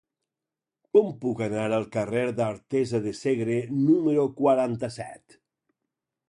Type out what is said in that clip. Com puc anar al carrer d'Artesa de Segre número quaranta-set?